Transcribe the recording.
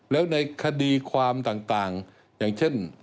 แล้วในคดีความต่างอย่างเช่น